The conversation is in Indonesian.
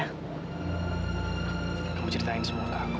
kamu ceritain semua ke aku